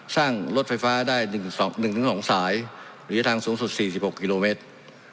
สร้างรถไฟฟ้าได้๑๒สายระยะทางสูงสุด๔๖กิโลเมตร